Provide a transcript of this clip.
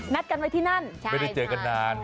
นัดกันไว้ที่นั่น